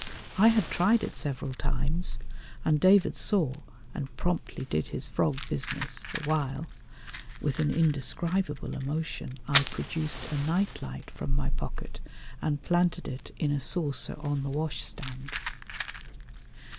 I had tried it several times, and David saw and promptly did his frog business, the while, with an indescribable emotion, I produced a night light from my pocket and planted it in a saucer on the wash stand.